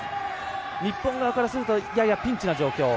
日本側からするとややピンチな状況。